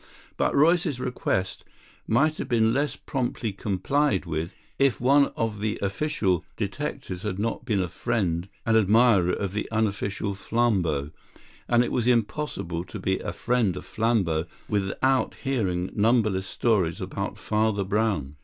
But Royce's request might have been less promptly complied with if one of the official detectives had not been a friend and admirer of the unofficial Flambeau; and it was impossible to be a friend of Flambeau without hearing numberless stories about Father Brown.